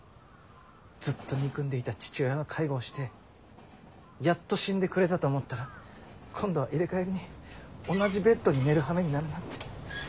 ずっと憎んでいた父親の介護をしてやっと死んでくれたと思ったら今度は入れ替わりに同じベッドに寝るはめになるなんて。